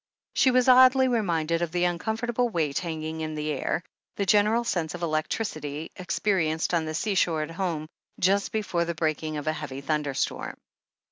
She was oddly reminded of the uncomfortable weight hanging in the air, the general sense of electricity, ex perienced on the sea shore at home just before the breaking of a heavy thunderstorm.